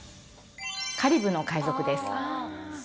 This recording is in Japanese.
カリブの海賊です。